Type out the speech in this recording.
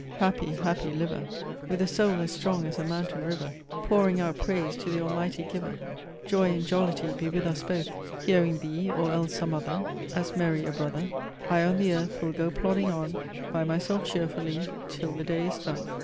Happy, happy liver! With a soul as strong as a mountain river Pouring out praise to th' Almighty giver, Joy and jollity be with us both! Hearing thee or else some other, As merry a brother I on the earth will go plodding on By myself cheerfully till the day is done."